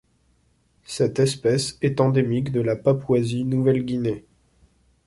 Cette espèce est endémique de la Papouasie-Nouvelle-Guinée.